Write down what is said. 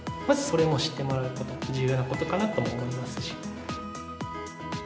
まずそれを知ってもらうことも重要なことかなと思いますし。